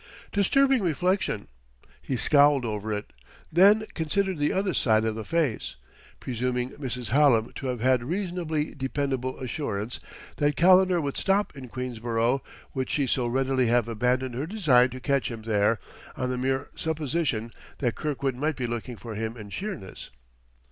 Disturbing reflection. He scowled over it, then considered the other side of the face. Presuming Mrs. Hallam to have had reasonably dependable assurance that Calendar would stop in Queensborough, would she so readily have abandoned her design to catch him there, on the mere supposition that Kirkwood might be looking for him in Sheerness?